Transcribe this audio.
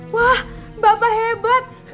wah bapak hebat